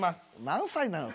何歳なの？